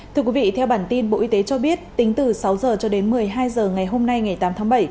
thưa quý vị theo bản tin bộ y tế cho biết tính từ sáu h cho đến một mươi hai h ngày hôm nay ngày tám tháng bảy